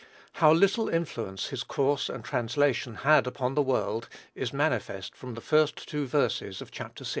How little influence his course and translation had upon the world is manifest from the first two verses of Chapter VI.